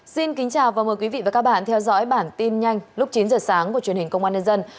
xin kính chào và mời quý vị và các bạn theo dõi bản tin nhanh lúc chín giờ sáng của truyền hình công an nhân dân